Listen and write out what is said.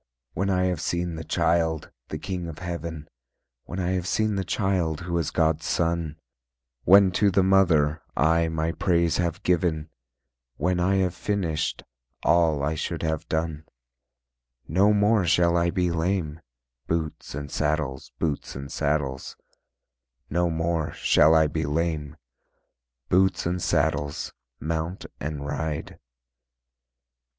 When I have seen The Child, the King of Heaven, When I have seen The Child who is God's son, When to the mother, I my praise have given, When I have finished, All I should have done: No more shall I be lame, Boots and saddles, boots and saddles, No more shall I be lame, Boots and saddles, mount and ride.